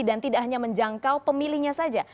dan tidak hanya menjangkau pemilihnya saja